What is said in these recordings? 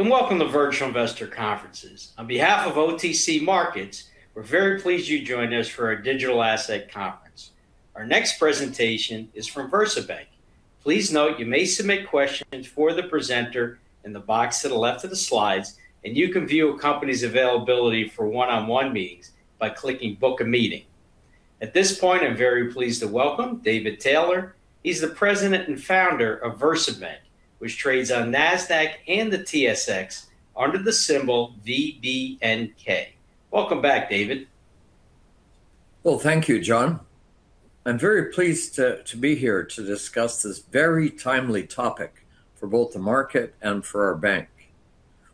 ...Hello, and welcome to Virtual Investor Conferences. On behalf of OTC Markets, we're very pleased you joined us for our Digital Asset Conference. Our next presentation is from VersaBank. Please note you may submit questions for the presenter in the box to the left of the slides, and you can view a company's availability for one-on-one meetings by clicking Book a Meeting. At this point, I'm very pleased to welcome David Taylor. He's the President and Founder of VersaBank, which trades on Nasdaq and the TSX under the symbol VBNK. Welcome back, David. Well, thank you, John. I'm very pleased to be here to discuss this very timely topic for both the market and for our bank.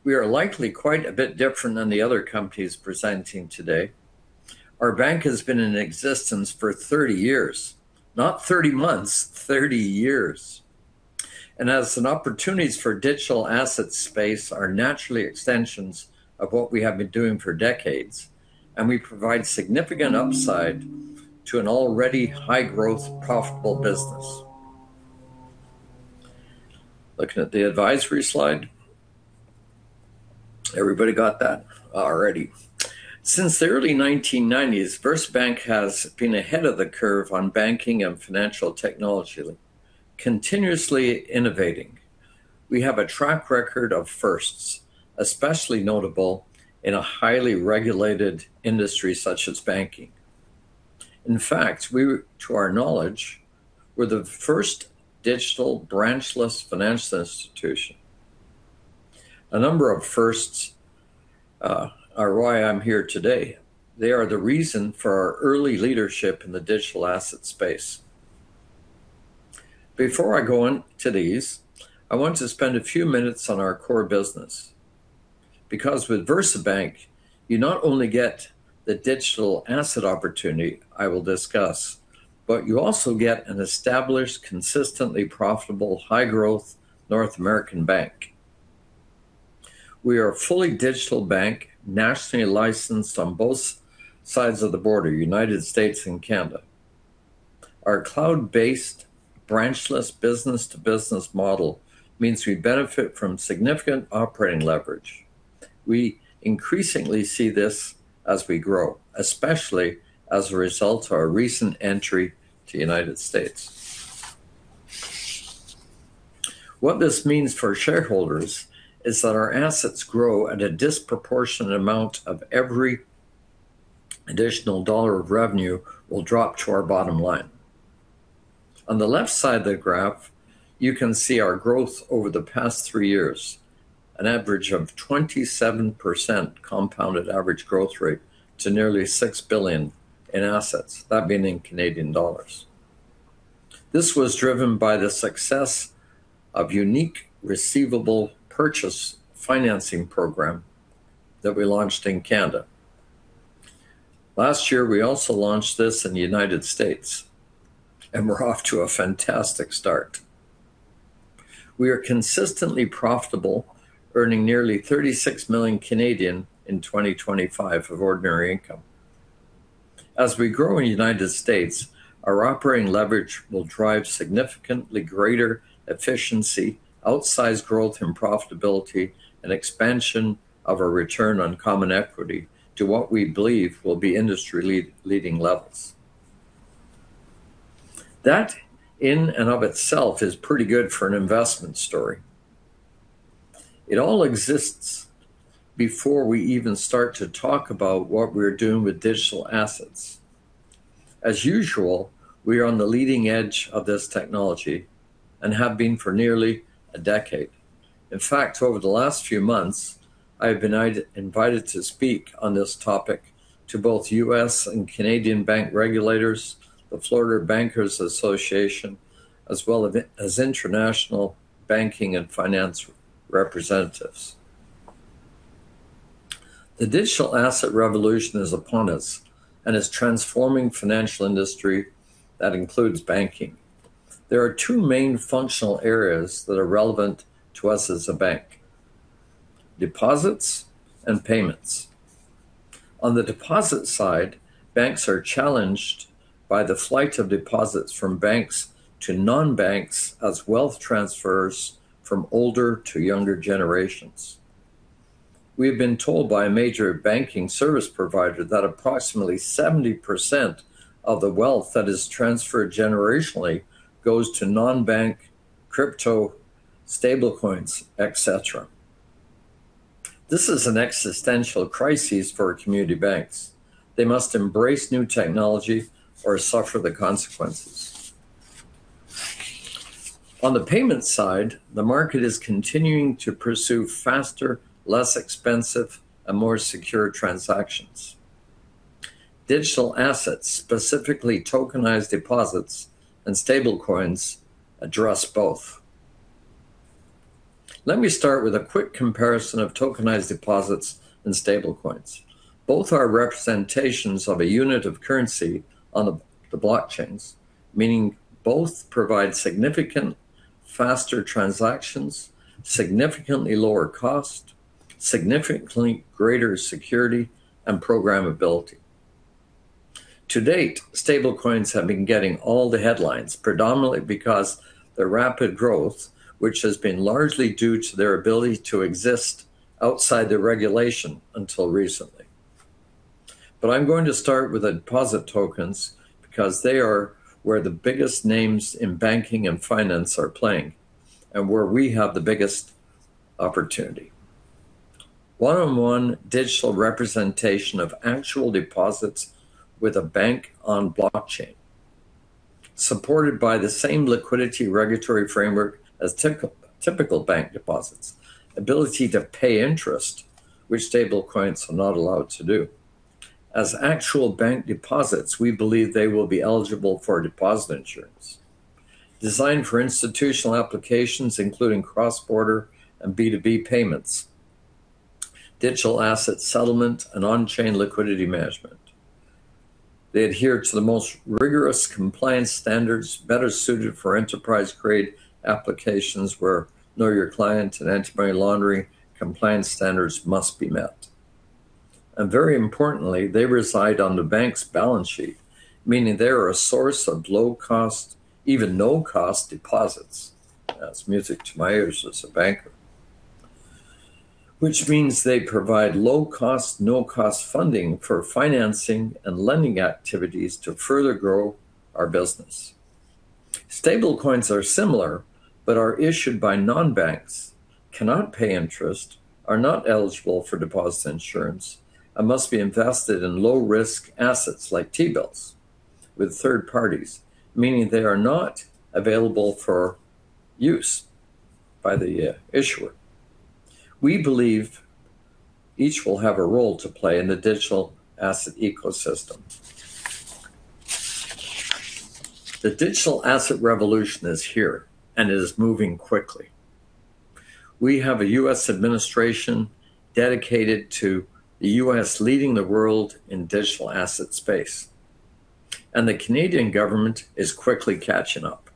We are likely quite a bit different than the other companies presenting today. Our bank has been in existence for 30 years, not 30 months, 30 years! And as an opportunities for digital asset space are naturally extensions of what we have been doing for decades, and we provide significant upside to an already high-growth, profitable business. Looking at the advisory slide. Everybody got that already. Since the early 1990s, VersaBank has been ahead of the curve on banking and financial technology, continuously innovating. We have a track record of firsts, especially notable in a highly regulated industry such as banking. In fact, we were, to our knowledge, we're the first digital branchless financial institution. A number of firsts are why I'm here today. They are the reason for our early leadership in the digital asset space. Before I go on to these, I want to spend a few minutes on our core business. Because with VersaBank, you not only get the digital asset opportunity I will discuss, but you also get an established, consistently profitable, high-growth North American bank. We are a fully digital bank, nationally licensed on both sides of the border, United States and Canada. Our cloud-based, branchless business-to-business model means we benefit from significant operating leverage. We increasingly see this as we grow, especially as a result of our recent entry to the United States. What this means for shareholders is that our assets grow at a disproportionate amount of every additional dollar of revenue will drop to our bottom line. On the left side of the graph, you can see our growth over the past three years, an average of 27% compounded average growth rate to nearly 6 billion in assets, that being in Canadian dollars. This was driven by the success of unique receivable purchase financing program that we launched in Canada. Last year, we also launched this in the United States, and we're off to a fantastic start. We are consistently profitable, earning nearly 36 million in 2025 of ordinary income. As we grow in the United States, our operating leverage will drive significantly greater efficiency, outsized growth and profitability, and expansion of a return on common equity to what we believe will be industry-leading levels. That, in and of itself, is pretty good for an investment story. It all exists before we even start to talk about what we're doing with digital assets. As usual, we are on the leading edge of this technology and have been for nearly a decade. In fact, over the last few months, I've been invited to speak on this topic to both U.S. and Canadian bank regulators, the Florida Bankers Association, as well as international banking and finance representatives. The digital asset revolution is upon us and is transforming financial industry that includes banking. There are two main functional areas that are relevant to us as a bank: deposits and payments. On the deposit side, banks are challenged by the flight of deposits from banks to non-banks as wealth transfers from older to younger generations. We've been told by a major banking service provider that approximately 70% of the wealth that is transferred generationally goes to non-bank, crypto, stablecoins, et cetera. This is an existential crisis for community banks. They must embrace new technology or suffer the consequences. On the payment side, the market is continuing to pursue faster, less expensive, and more secure transactions. Digital assets, specifically tokenized deposits and stablecoins, address both. Let me start with a quick comparison of tokenized deposits and stablecoins. Both are representations of a unit of currency on the blockchains, meaning both provide significant faster transactions, significantly lower cost, significantly greater security and programmability.... To date, stablecoins have been getting all the headlines, predominantly because their rapid growth, which has been largely due to their ability to exist outside the regulation until recently. But I'm going to start with the deposit tokens because they are where the biggest names in banking and finance are playing, and where we have the biggest opportunity. One-to-one digital representation of actual deposits with a bank on blockchain, supported by the same liquidity regulatory framework as typical bank deposits. Ability to pay interest, which stablecoins are not allowed to do. As actual bank deposits, we believe they will be eligible for deposit insurance. Designed for institutional applications, including cross-border and B2B payments, digital asset settlement, and on-chain liquidity management. They adhere to the most rigorous compliance standards, better suited for enterprise-grade applications where know your client and anti-money laundering compliance standards must be met. And very importantly, they reside on the bank's balance sheet, meaning they are a source of low-cost, even no-cost deposits. That's music to my ears as a banker. Which means they provide low-cost, no-cost funding for financing and lending activities to further grow our business. Stablecoins are similar but are issued by non-banks, cannot pay interest, are not eligible for deposit insurance, and must be invested in low-risk assets like T-bills with third parties, meaning they are not available for use by the issuer. We believe each will have a role to play in the digital asset ecosystem. The digital asset revolution is here, and it is moving quickly. We have a U.S. administration dedicated to the U.S. leading the world in digital asset space, and the Canadian government is quickly catching up.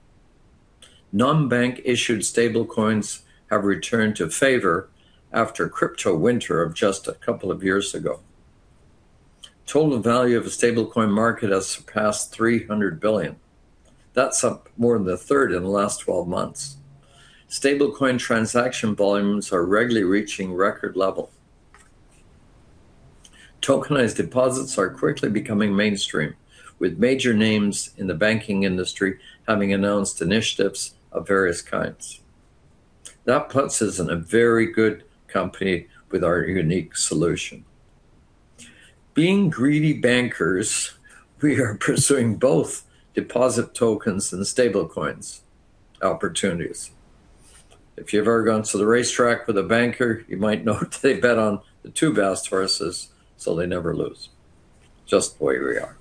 Non-bank-issued stablecoins have returned to favor after crypto winter of just a couple of years ago. Total value of the stablecoin market has surpassed $300 billion. That's up more than a third in the last 12 months. Stablecoin transaction volumes are regularly reaching record level. Tokenized deposits are quickly becoming mainstream, with major names in the banking industry having announced initiatives of various kinds. That puts us in a very good company with our unique solution. Being greedy bankers, we are pursuing both deposit tokens and stablecoins opportunities. If you've ever gone to the racetrack with a banker, you might know they bet on the two best horses, so they never lose. Just the way we are.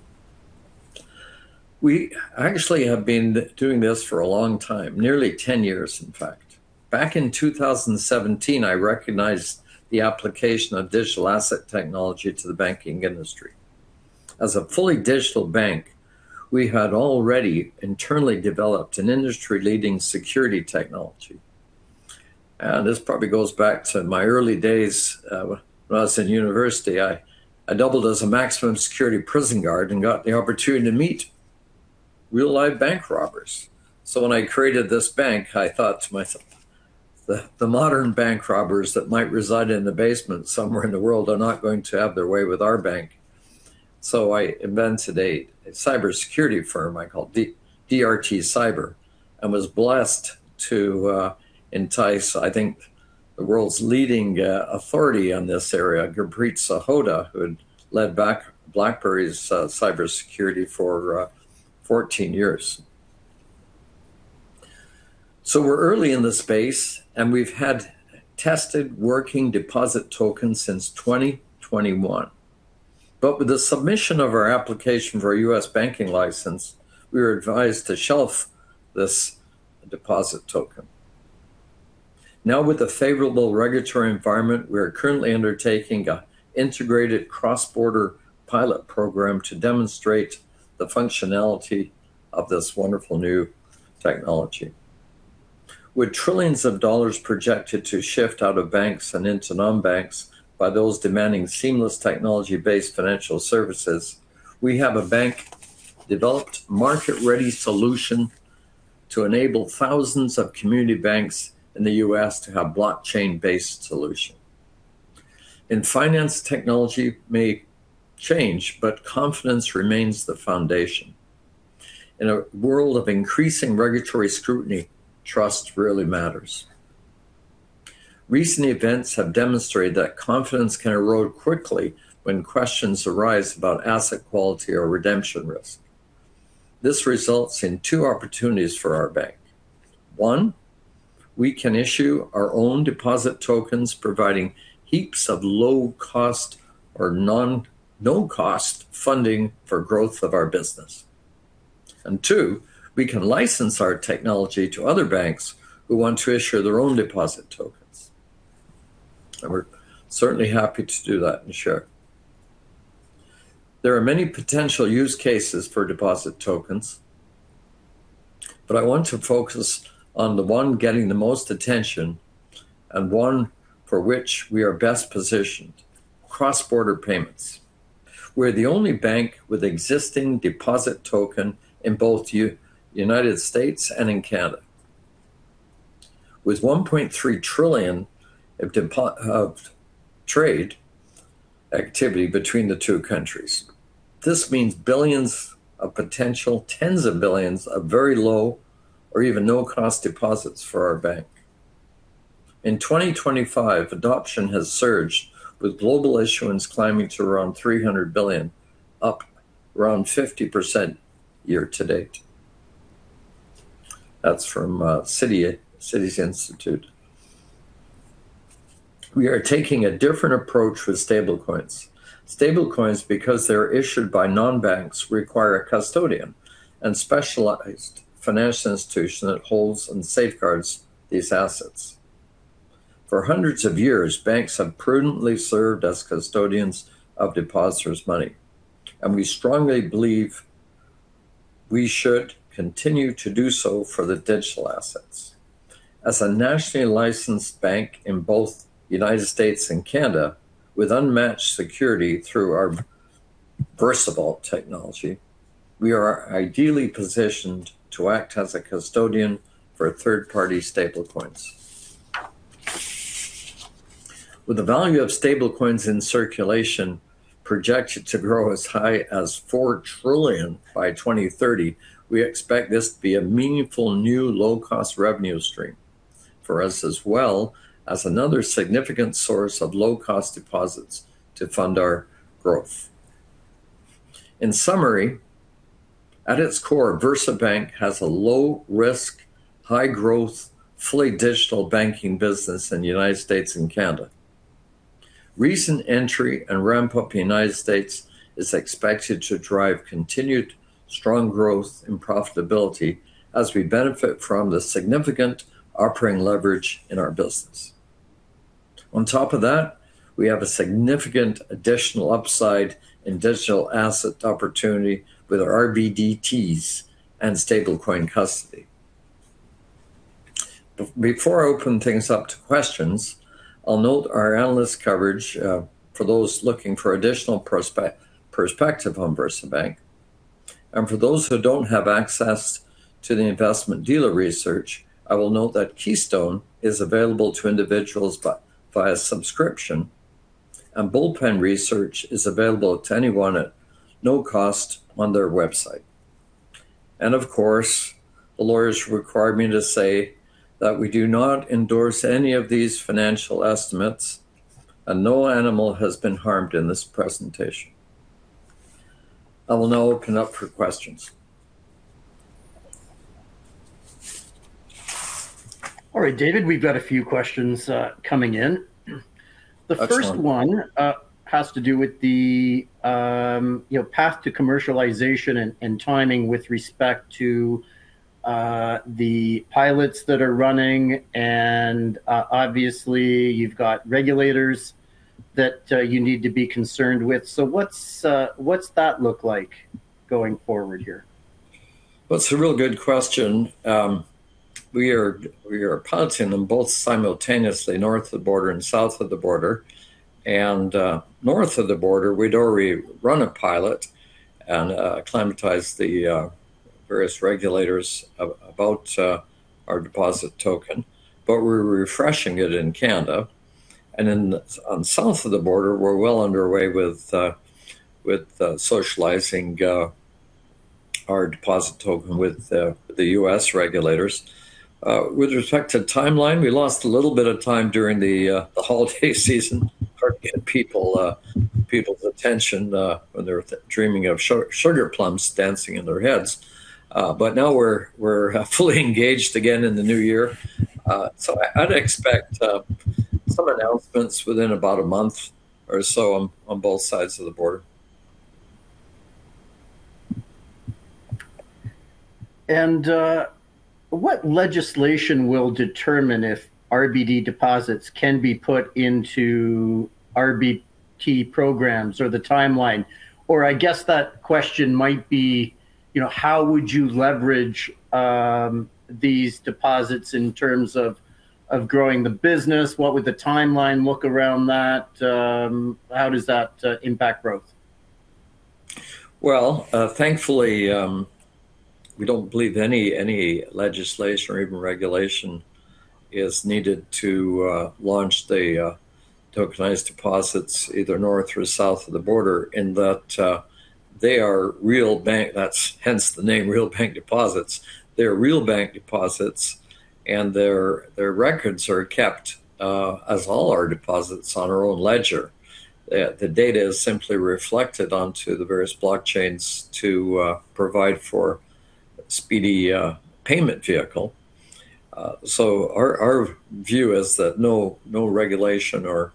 We actually have been doing this for a long time, nearly 10 years, in fact. Back in 2017, I recognized the application of digital asset technology to the banking industry. As a fully digital bank, we had already internally developed an industry-leading security technology. This probably goes back to my early days, when I was in university. I doubled as a maximum security prison guard and got the opportunity to meet real-life bank robbers. So when I created this bank, I thought to myself, "The modern bank robbers that might reside in a basement somewhere in the world are not going to have their way with our bank." So I invented a cybersecurity firm I call DRT Cyber, and was blessed to entice, I think, the world's leading authority on this area, Gurpreet Sahota, who had led BlackBerry's cybersecurity for 14 years. So we're early in the space, and we've had tested working deposit tokens since 2021. But with the submission of our application for a U.S. banking license, we were advised to shelf this deposit token. Now, with a favorable regulatory environment, we are currently undertaking an integrated cross-border pilot program to demonstrate the functionality of this wonderful new technology. With trillions of dollars projected to shift out of banks and into non-banks by those demanding seamless technology-based financial services, we have a bank-developed, market-ready solution to enable thousands of community banks in the U.S. to have a blockchain-based solution. In finance, technology may change, but confidence remains the foundation. In a world of increasing regulatory scrutiny, trust really matters. Recent events have demonstrated that confidence can erode quickly when questions arise about asset quality or redemption risk. This results in two opportunities for our bank. One, we can issue our own deposit tokens, providing heaps of low-cost or no-cost funding for growth of our business. And two, we can license our technology to other banks who want to issue their own deposit tokens. We're certainly happy to do that and share. There are many potential use cases for deposit tokens... but I want to focus on the one getting the most attention, and one for which we are best positioned: cross-border payments. We're the only bank with existing deposit token in both United States and in Canada, with $1.3 trillion of trade activity between the two countries. This means billions of potential, tens of billions of very low or even no-cost deposits for our bank. In 2025, adoption has surged, with global issuance climbing to around $300 billion, up around 50% year to date. That's from Citi. We are taking a different approach with stablecoins. Stablecoins, because they're issued by non-banks, require a custodian and specialized financial institution that holds and safeguards these assets. For hundreds of years, banks have prudently served as custodians of depositors' money, and we strongly believe we should continue to do so for the digital assets. As a nationally licensed bank in both United States and Canada, with unmatched security through our versatile technology, we are ideally positioned to act as a custodian for third-party stablecoins. With the value of stablecoins in circulation projected to grow as high as $4 trillion by 2030, we expect this to be a meaningful, new, low-cost revenue stream for us, as well as another significant source of low-cost deposits to fund our growth. In summary, at its core, VersaBank has a low-risk, high-growth, fully digital banking business in the United States and Canada. Recent entry and ramp-up in the United States is expected to drive continued strong growth and profitability as we benefit from the significant operating leverage in our business. On top of that, we have a significant additional upside in digital asset opportunity with RBDTs and stablecoin custody. Before I open things up to questions, I'll note our analyst coverage for those looking for additional perspective on VersaBank. And for those who don't have access to the investment dealer research, I will note that Keystone is available to individuals via subscription, and Bullpen Research is available to anyone at no cost on their website. And of course, the lawyers require me to say that we do not endorse any of these financial estimates, and no animal has been harmed in this presentation. I will now open up for questions. All right, David, we've got a few questions, coming in. Excellent. The first one has to do with the, you know, path to commercialization and timing with respect to the pilots that are running. And obviously, you've got regulators that you need to be concerned with. So what's that look like going forward here? Well, it's a real good question. We are piloting them both simultaneously, north of the border and south of the border. And north of the border, we'd already run a pilot and acclimatized the various regulators about our deposit token, but we're refreshing it in Canada. And on south of the border, we're well underway with socializing our deposit token with the U.S. regulators. With respect to timeline, we lost a little bit of time during the holiday season, hard to get people's attention when they're dreaming of sugar plums dancing in their heads. But now we're fully engaged again in the new year. So I'd expect some announcements within about a month or so on both sides of the border. What legislation will determine if RBD deposits can be put into RBD programs or the timeline? Or I guess that question might be, you know, how would you leverage these deposits in terms of growing the business? What would the timeline look around that? How does that impact growth? Well, thankfully, we don't believe any, any legislation or even regulation is needed to launch the tokenized deposits either north or south of the border, in that they are real bank... That's hence the name Real Bank Deposits. They're real bank deposits, and their, their records are kept as all our deposits on our own ledger. The data is simply reflected onto the various blockchains to provide for speedy payment vehicle. So our view is that no, no regulation or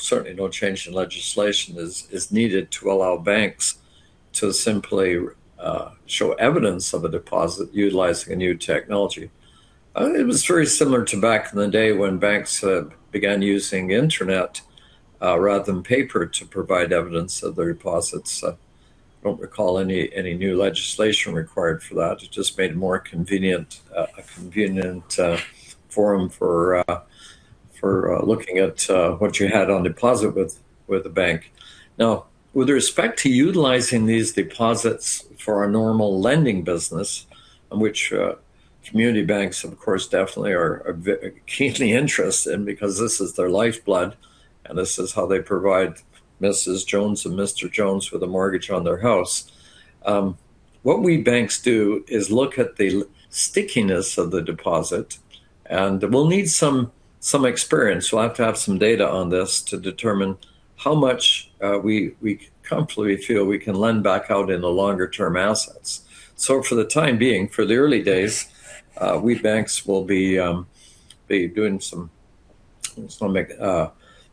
certainly no change in legislation is needed to allow banks to simply show evidence of a deposit utilizing a new technology.... It was very similar to back in the day when banks began using internet rather than paper to provide evidence of the deposits. I don't recall any new legislation required for that. It just made it more convenient, a convenient forum for looking at what you had on deposit with the bank. Now, with respect to utilizing these deposits for our normal lending business, and which community banks, of course, definitely are very keenly interested in, because this is their lifeblood, and this is how they provide Mrs. Jones and Mr. Jones with a mortgage on their house. What we banks do is look at the stickiness of the deposit, and we'll need some experience. We'll have to have some data on this to determine how much we comfortably feel we can lend back out in the longer term assets. So for the time being, for the early days, we banks will be doing some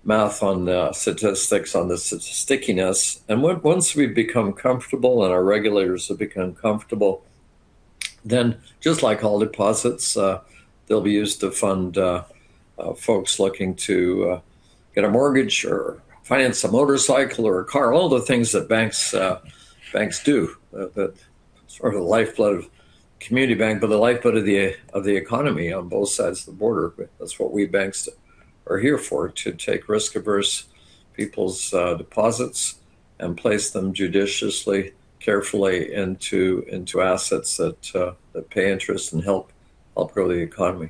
math on the statistics on the stickiness. And once we've become comfortable and our regulators have become comfortable, then just like all deposits, they'll be used to fund folks looking to get a mortgage or finance a motorcycle or a car, all the things that banks banks do. That sort of the lifeblood of community bank, but the lifeblood of the economy on both sides of the border. But that's what we banks are here for, to take risk-averse people's deposits and place them judiciously, carefully into assets that pay interest and help grow the economy.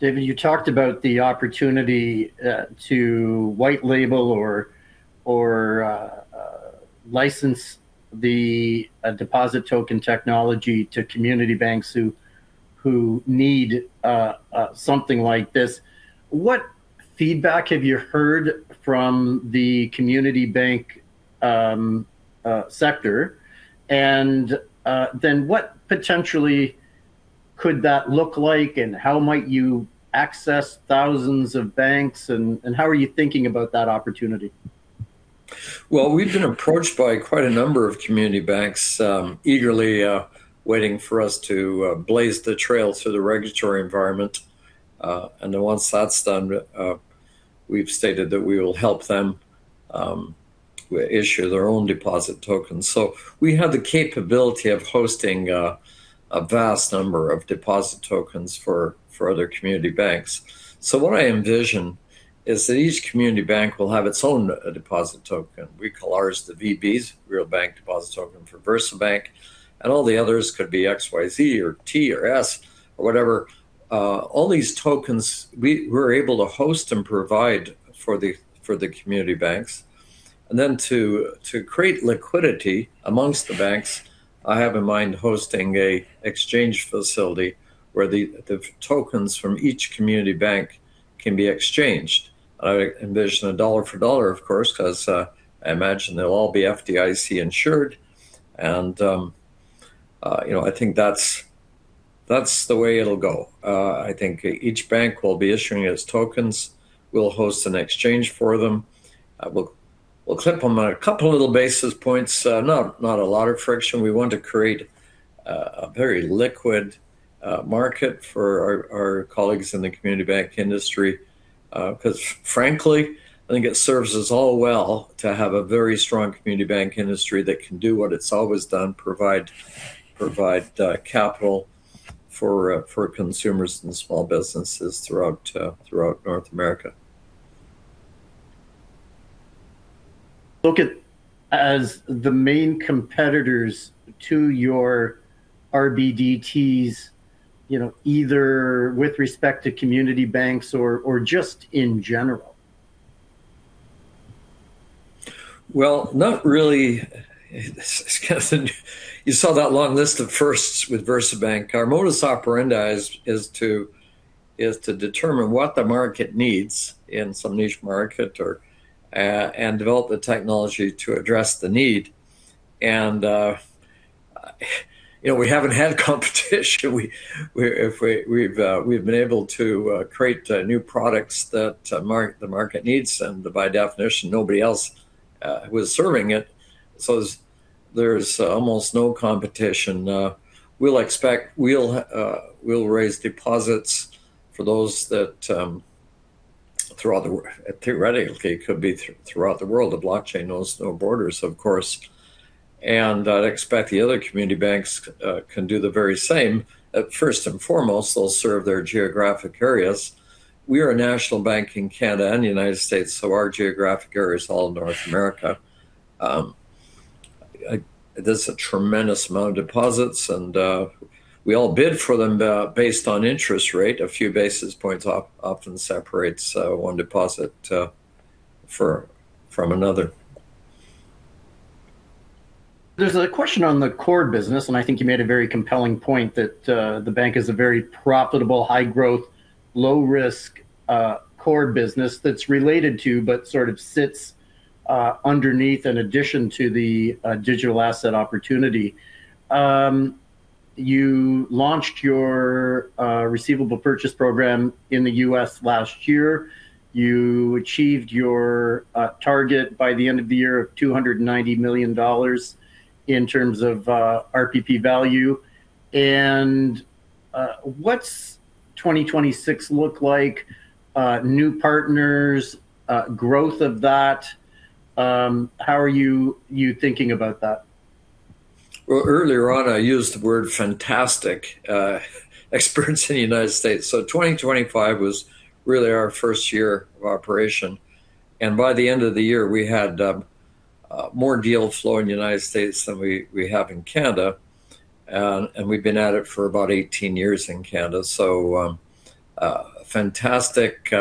David, you talked about the opportunity to white label or license the deposit token technology to community banks who need something like this. What feedback have you heard from the community bank sector? And then what potentially could that look like, and how might you access thousands of banks, and how are you thinking about that opportunity? Well, we've been approached by quite a number of community banks, eagerly, waiting for us to, blaze the trail through the regulatory environment. Then once that's done, we've stated that we will help them, issue their own deposit tokens. So we have the capability of hosting, a vast number of deposit tokens for, for other community banks. So what I envision is that each community bank will have its own, deposit token. We call ours the VBs, Real Bank Deposit Token for VersaBank, and all the others could be X, Y, Z, or T or S or whatever. All these tokens, we're able to host and provide for the, for the community banks. And then to create liquidity amongst the banks, I have in mind hosting an exchange facility where the tokens from each community bank can be exchanged. I envision a dollar for dollar, of course, 'cause I imagine they'll all be FDIC insured. And, you know, I think that's the way it'll go. I think each bank will be issuing its tokens. We'll host an exchange for them. We'll clip them a couple of little basis points, not a lot of friction. We want to create a very liquid market for our colleagues in the community bank industry. 'Cause frankly, I think it serves us all well to have a very strong community bank industry that can do what it's always done, provide, provide, capital for, for consumers and small businesses throughout, throughout North America. Look at as the main competitors to your RBDTs, you know, either with respect to community banks or just in general. Well, not really. You saw that long list of firsts with VersaBank. Our modus operandi is to determine what the market needs in some niche market or and develop the technology to address the need. And, you know, we haven't had competition. We've been able to create new products that the market needs, and by definition, nobody else was serving it. So there's almost no competition. We'll raise deposits for those throughout the world. Theoretically, it could be throughout the world. The blockchain knows no borders, of course. And I'd expect the other community banks can do the very same. First and foremost, they'll serve their geographic areas. We are a national bank in Canada and the United States, so our geographic area is all North America. There's a tremendous amount of deposits, and we all bid for them based on interest rate. A few basis points often separates one deposit from another. There's a question on the core business, and I think you made a very compelling point that, the bank is a very profitable, high-growth, low-risk, core business that's related to, but sort of sits, underneath, in addition to the, digital asset opportunity. You launched your, receivable purchase program in the U.S. last year. You achieved your, target by the end of the year of $290 million in terms of, RPP value. What's 2026 look like? New partners, growth of that, how are you, you thinking about that? Well, earlier on, I used the word fantastic experience in the United States. So 2025 was really our first year of operation, and by the end of the year, we had more deal flow in the United States than we have in Canada. And we've been at it for about 18 years in Canada. So fantastic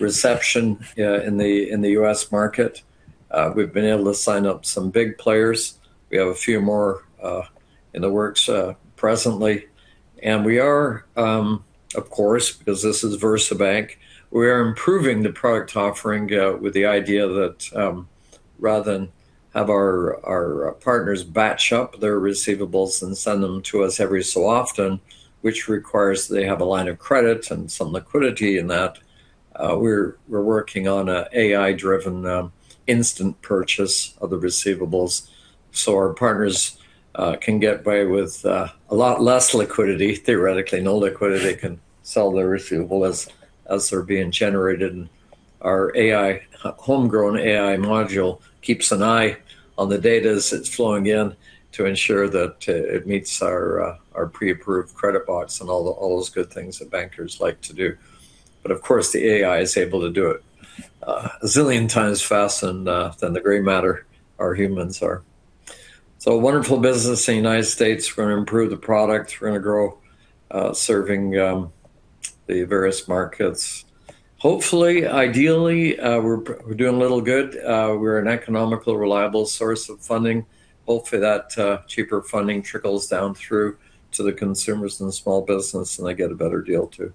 reception in the U.S. market. We've been able to sign up some big players. We have a few more in the works presently. And we are, of course, because this is VersaBank, we are improving the product offering, with the idea that, rather than have our partners batch up their receivables and send them to us every so often, which requires they have a line of credit and some liquidity in that, we're working on an AI-driven, instant purchase of the receivables. So our partners can get by with a lot less liquidity, theoretically, no liquidity. They can sell their receivable as they're being generated, and our AI, homegrown AI module keeps an eye on the data as it's flowing in, to ensure that it meets our pre-approved credit box, and all those good things that bankers like to do. But of course, the AI is able to do it, a zillion times faster than the gray matter our humans are. So a wonderful business in the United States. We're gonna improve the product. We're gonna grow, serving the various markets. Hopefully, ideally, we're doing a little good. We're an economical, reliable source of funding. Hopefully, that cheaper funding trickles down through to the consumers and the small business, and they get a better deal, too.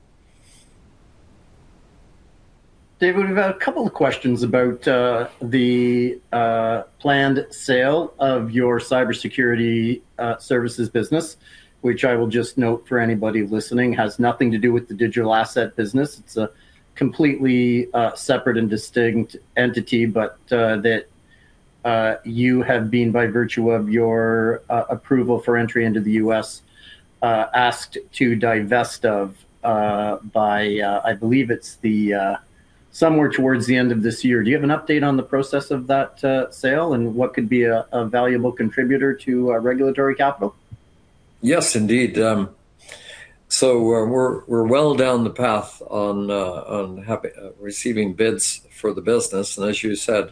David, we've had a couple of questions about the planned sale of your cybersecurity services business, which I will just note for anybody listening, has nothing to do with the digital asset business. It's a completely separate and distinct entity, but that you have been, by virtue of your approval for entry into the U.S., asked to divest of by... I believe it's the somewhere towards the end of this year. Do you have an update on the process of that sale and what could be a valuable contributor to our regulatory capital? Yes, indeed. So we're well down the path on receiving bids for the business, and as you said,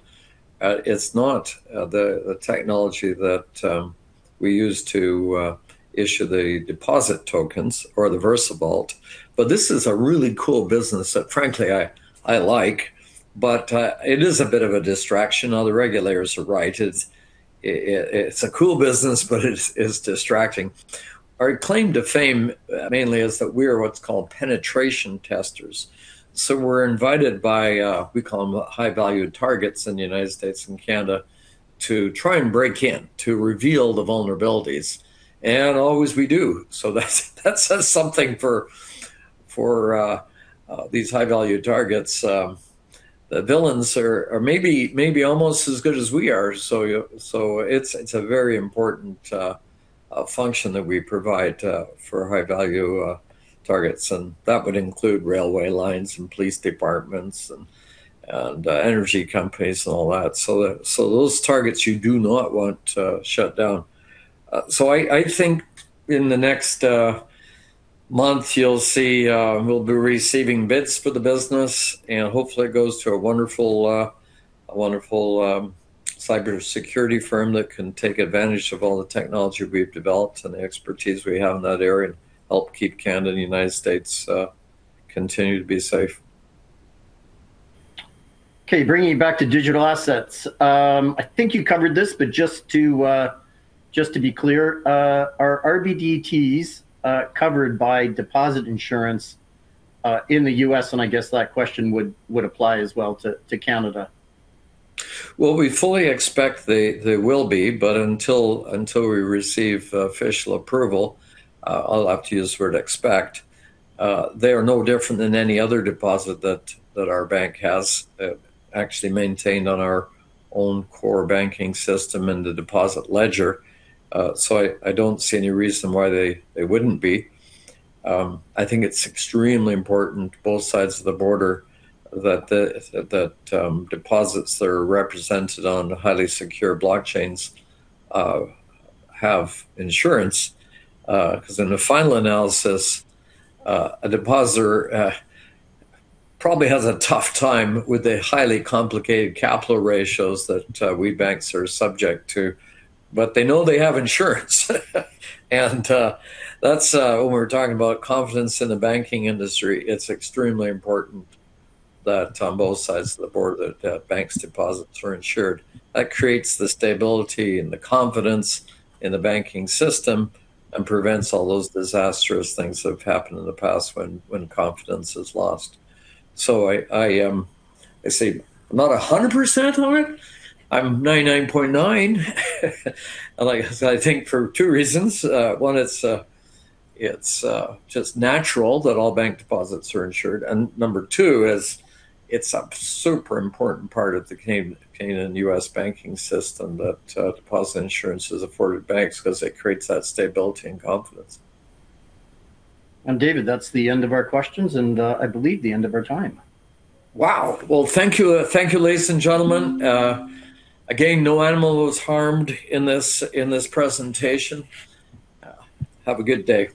it's not the technology that we use to issue the deposit tokens or the VersaVault. But this is a really cool business that, frankly, I like, but it is a bit of a distraction. All the regulators are right. It's a cool business, but it's distracting. Our claim to fame mainly is that we are what's called penetration testers. So we're invited by we call them high-value targets in the United States and Canada, to try and break in, to reveal the vulnerabilities. And always, we do. So that says something for these high-value targets. The villains are maybe almost as good as we are. So it's a very important function that we provide for high-value targets, and that would include railway lines and police departments and energy companies and all that. So those targets, you do not want shut down. So I think in the next month, you'll see we'll be receiving bids for the business, and hopefully it goes to a wonderful cyber security firm that can take advantage of all the technology we've developed and the expertise we have in that area, and help keep Canada and the United States continue to be safe. Okay, bringing it back to digital assets. I think you covered this, but just to be clear, are RBDTs covered by deposit insurance in the US? And I guess that question would apply as well to Canada. Well, we fully expect they will be, but until we receive official approval, I'll have to use the word expect. They are no different than any other deposit that our bank has actually maintained on our own core banking system and the deposit ledger. So I don't see any reason why they wouldn't be. I think it's extremely important, both sides of the border, that the deposits that are represented on highly secure blockchains have insurance. 'Cause in the final analysis, a depositor probably has a tough time with the highly complicated capital ratios that we banks are subject to, but they know they have insurance. And that's... When we're talking about confidence in the banking industry, it's extremely important that on both sides of the board, that banks' deposits are insured. That creates the stability and the confidence in the banking system and prevents all those disastrous things that have happened in the past when confidence is lost. So I say, I'm not 100% on it, I'm 99.9%. And like I said, I think for two reasons. One, it's just natural that all bank deposits are insured, and number two is, it's a super important part of the Canadian and U.S. banking system, that deposit insurance is afforded banks 'cause it creates that stability and confidence. David, that's the end of our questions, and I believe the end of our time. Wow! Well, thank you. Thank you, ladies and gentlemen. Again, no animal was harmed in this presentation. Have a good day.